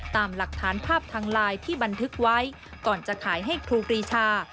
ตามหลักฐานภาพทางไลน์ที่บันทึกไว้ก่อนจะขายให้ครูปรีชา